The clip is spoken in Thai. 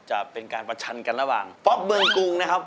จะเป็นการประชันกันระหว่างป๊อกเมืองกรุงนะครับ